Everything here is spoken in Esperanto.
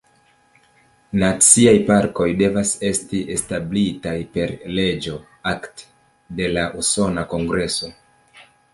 Naciaj parkoj devas esti establitaj per leĝo "act" de la Usona Kongreso.